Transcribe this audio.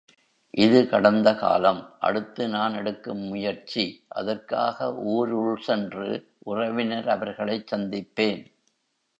இது கடந்த காலம் அடுத்து நான் எடுக்கும் முயற்சி அதற்காக ஊர் உள் சென்று உறவினர் அவர்களைச் சந்திப்பேன்.